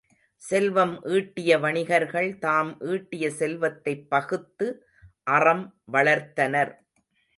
செல்வம் ஈட்டிய வணிகர்கள் தாம் ஈட்டிய செல்வத்தைப் பகுத்து அறம் வளர்த்தனர்.